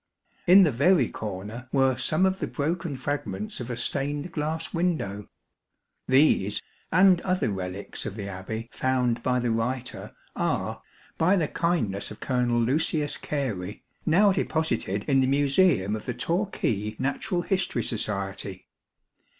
In the very corner were some of the broken fragments of a stained glass window. These and other relics of the Abbey found by the writer are, by the kindness of Colonel Lucius Gary, now deposited in the Museum of the Torquay Natural History Society.